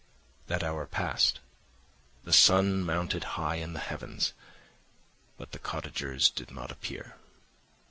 That hour passed, the sun mounted high in the heavens, but the cottagers did not appear.